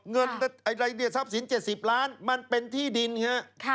เงินอะไรเนี่ยทรัพย์สิน๗๐ล้านมันเป็นที่ดินครับ